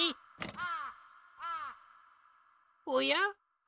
おや？